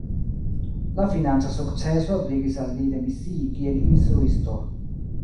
La financa sukceso ebligis al li demisii kiel instruisto.